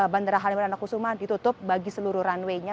bandara halimberan kusuma ditutup bagi seluruh runway nya